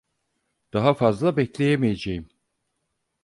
Daha fazla bekleyemeyeceğim.